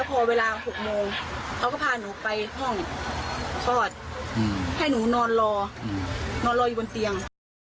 พอเวลา๖โมงเขาก็พาหนูไปห้องคลอดให้หนูนอนรอนอนรออยู่บนเตียง